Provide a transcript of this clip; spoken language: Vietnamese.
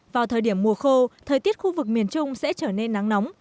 vào thời điểm mùa khô thời tiết khu vực miền trung sẽ trở nên nắng nóng